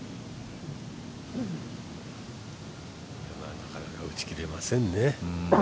なかなか打ち切れませんね。